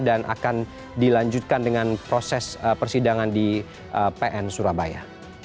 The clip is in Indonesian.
dan akan dilanjutkan dengan proses persidangan di pn surabaya